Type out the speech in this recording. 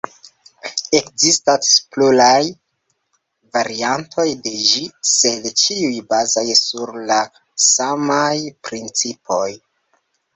Ekzistas pluraj variantoj de ĝi, sed ĉiuj bazas sur la samaj principoj.